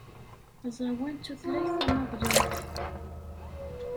Aẓawan d tutlayt tamaḍlant.